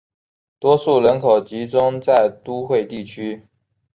多数人口集中在都会地区。